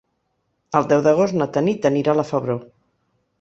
El deu d'agost na Tanit anirà a la Febró.